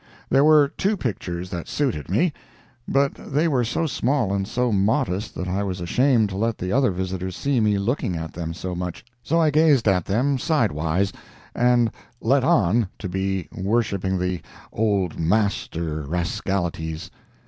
There were two pictures that suited me, but they were so small and so modest that I was ashamed to let the other visitors see me looking at them so much, so I gazed at them sidewise, and "let on" to be worshipping the "old master" rascalities.